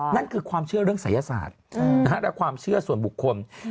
นั่นคือความเชื่อเรื่องศัยศาสตร์และความเชื่อส่วนบุคคล